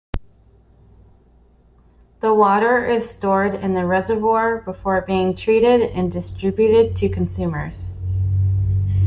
The water is stored in the reservoir before being treated and distributed to consumers.